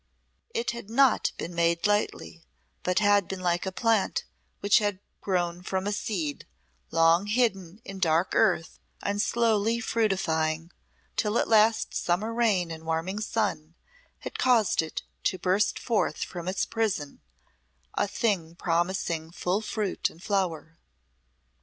It had not been made lightly, but had been like a plant which had grown from a seed, long hidden in dark earth and slowly fructifying till at last summer rain and warming sun had caused it to burst forth from its prison, a thing promising full fruit and flower.